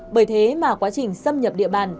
bởi thế mà quá trình xâm nhập địa bàn